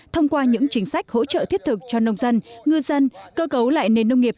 thông qua những chính sách hỗ trợ thiết thực cho nông dân ngư dân cơ cấu lại nền nông nghiệp